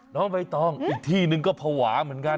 น้องใบตองอีกที่นึงก็ภาวะเหมือนกัน